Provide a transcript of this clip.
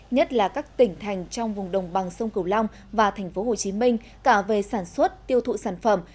nhất là các tỉnh thành trong vùng đồng bằng sông cửu long và tp hcm cả về sản xuất tiêu thụ sản phẩm